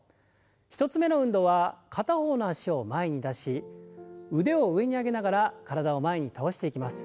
１つ目の運動は片方の脚を前に出し腕を上に上げながら体を前に倒していきます。